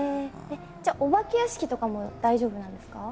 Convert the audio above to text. じゃあお化け屋敷とかも大丈夫なんですか？